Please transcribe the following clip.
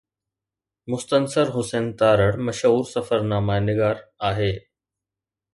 مستنصر حسين تارڙ مشهور سفرناما نگار آهي